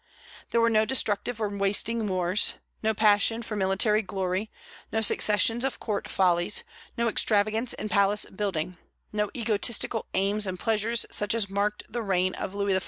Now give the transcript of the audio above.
There were no destructive and wasting wars, no passion for military glory, no successions of court follies, no extravagance in palace building, no egotistical aims and pleasures such as marked the reign of Louis XIV.